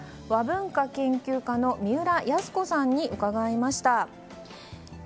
和文化研究家の三浦康子さんに伺いました。